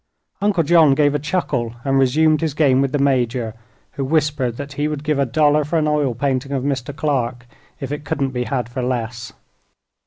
Uncle John gave a chuckle and resumed his game with the Major, who whispered that he would give a dollar for an oil painting of Mr. Clark if it couldn't be had for less.